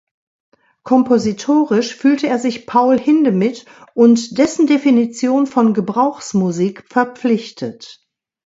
Kompositorisch fühlte er sich Paul Hindemith und dessen Definition von Gebrauchsmusik verpflichtet.